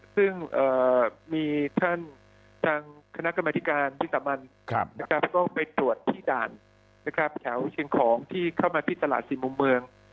ซึ่งมีท่านทางคณะกรรมธิการวิสามันก็ไปตรวจที่ด่านนะครับแถวเชียงของที่เข้ามาที่ตลาดสี่มุมเมือง